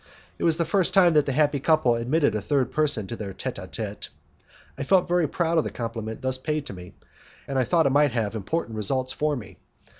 It was the first time that the happy couple admitted a third person to their tete a tete. I felt very proud of the compliment thus paid to me, and I thought it might have important results for me.